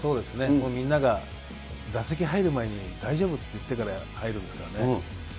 もうみんなが、打席入る前に、大丈夫って言ってから入るんですからね。